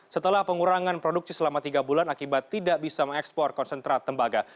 setelah pengurangan produksi selama tiga bulan akibat tidak bisa mengekspor konsentrat tembaga